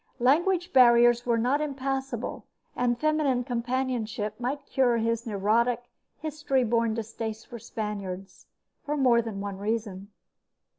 Language barriers were not impassable, and feminine companionship might cure his neurotic, history born distaste for Spaniards, for more than one reason.